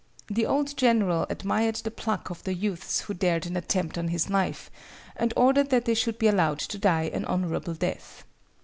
The old general admired the pluck of the youths who dared an attempt on his life and ordered that they should be allowed to die an honorable death.